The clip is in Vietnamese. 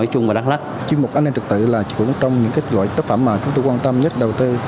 chương mục an ninh trực tự là trong những cái gọi tác phẩm mà chúng tôi quan tâm nhất đầu tư